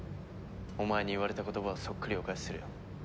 お前に言われた言葉をそっくりお返しするよ。